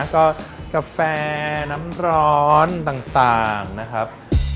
ก็กาแฟน้ำร้อนต่างนะครับ